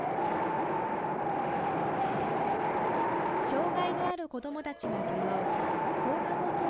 障害がある子供たちが通う放課後等